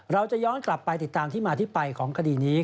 เราจะย้อนกลับไปติดตามที่มาที่ไปของคดีนี้